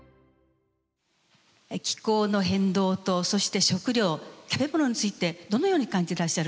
気候の変動とそして食料食べ物についてどのように感じてらっしゃるか。